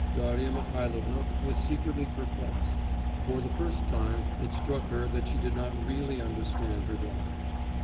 Darya Mihailovna was secretly perplexed; for the first time it struck her that she did not really understand her daughter.